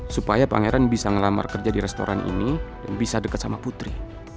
supaya pangeran bisa ngelamar kerja di restoran ini dan bisa dekat sama putri